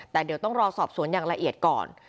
แต่เดี๋ยวต้องรอสอบสวนอย่างละเอียดก่อน